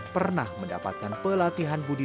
pernah mendapatkan pelatihan budidata